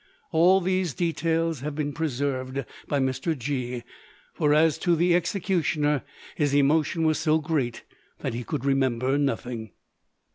All these details have been preserved by Mr. G——; for as to the executioner, his emotion was so great that he could remember nothing.